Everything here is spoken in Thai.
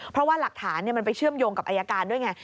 เพราะว่าหลักฐานมันไปเชื่อมโยงกับอายการด้วยไง